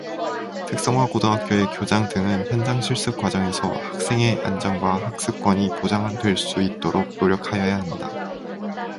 특성화 고등학교의 교장 등은 현장실습 과정에서 학생의 안전과 학습권이 보장될 수 있도록 노력하여야 한다.